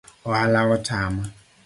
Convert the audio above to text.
Ohala otama